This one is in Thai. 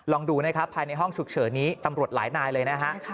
ลองดูนะครับภายในห้องฉุกเฉินนี้ตำรวจหลายนายเลยนะฮะ